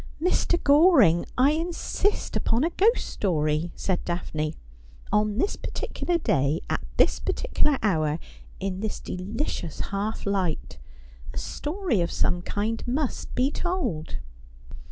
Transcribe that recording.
' Mr. Goring, I insist upon a ghost story,' said Daphne. ' On this particular day — at this particular hour — in this delicious half light, a story of some kind must be told.'